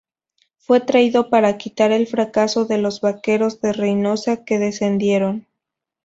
Fue traído para quitar el fracaso de los vaqueros de Reynosa que descendieron.